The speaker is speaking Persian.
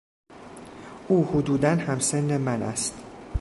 او حدودا هم سن من است.